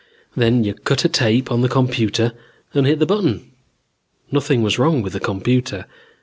Then you cut a tape on the computer and hit the button. Nothing was wrong with the computer.